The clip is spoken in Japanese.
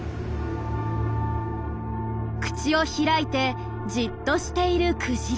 口を開いてじっとしているクジラ。